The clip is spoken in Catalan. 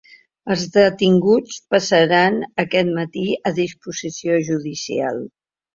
Els detinguts passaran aquest matí a disposició judicial.